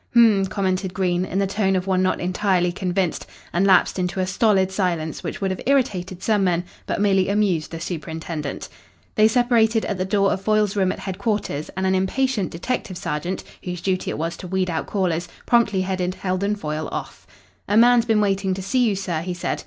"H'm," commented Green, in the tone of one not entirely convinced, and lapsed into a stolid silence which would have irritated some men, but merely amused the superintendent. They separated at the door of Foyle's room at headquarters, and an impatient detective sergeant, whose duty it was to weed out callers, promptly headed Heldon Foyle off. "A man's been waiting to see you, sir," he said.